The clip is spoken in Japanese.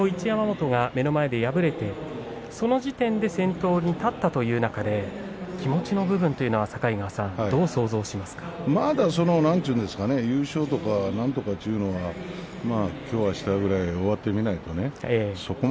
一山本が目の前で敗れてその時点で先頭に立ったというのは気持ちの部分というのは優勝とかなんとかということはきょう、あしたぐらい終わってみないとね。